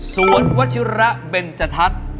สวนวัชิระเบนจรรย์ธัส